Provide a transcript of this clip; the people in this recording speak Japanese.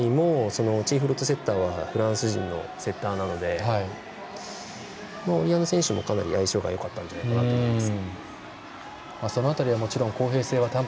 今回もチーフルートセッターはフランス人のセッターなのでオリアーヌ選手も相性がよかったんじゃないかなと思います。